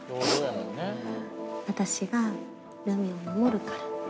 私がルミを守るから。